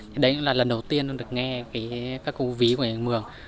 thì đấy cũng là lần đầu tiên được nghe cái các khúc ví của người mường